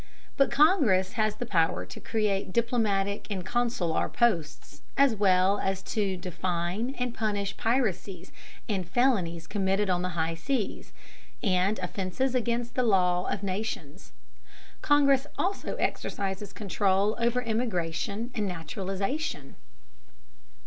But Congress has the power to create diplomatic and consular posts, as well as "to define and punish piracies and felonies committed on the high seas, and offences against the law of nations." Congress also exercises control over immigration and naturalization.